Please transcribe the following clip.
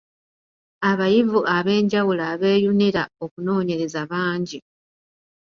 Abayivu ab’enjawulo abeeyunira okunoonyereza bangi.